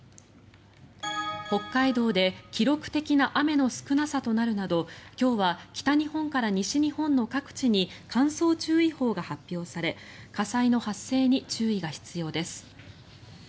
北海道で記録的な雨の少なさとなるなど今日は北日本から西日本の各地に乾燥注意報が発表され火災の発生に注意が必要です。